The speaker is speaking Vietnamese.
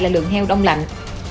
là lượng heo đông lạnh